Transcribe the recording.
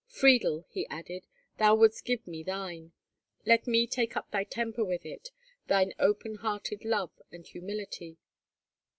"Friedel," he added, "thou wouldst give me thine. Let me take up thy temper with it, thine open hearted love and humility."